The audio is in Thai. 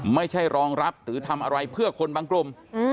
ไม่ใช่รองรับหรือทำอะไรเพื่อคนบางกลุ่ม